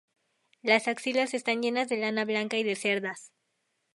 Las axilas están llenas de lana blanca y de cerdas.